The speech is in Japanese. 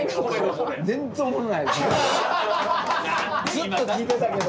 ずっと聞いてたけど。